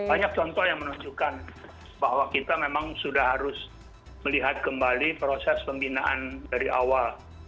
banyak contoh yang menunjukkan bahwa kita memang sudah harus melihat kembali proses pembinaan dari awal